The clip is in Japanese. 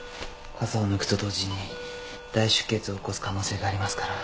傘を抜くと同時に大出血を起こす可能性がありますから。